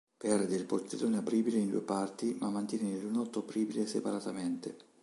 Perde il portellone apribile in due parti ma mantiene il lunotto apribile separatamente.